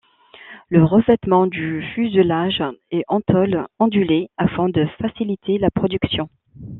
Le revêtement du fuselage est en tôle ondulée afin de faciliter la production.